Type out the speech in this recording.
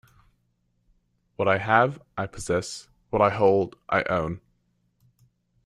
What I have, I possess; what I hold, I own.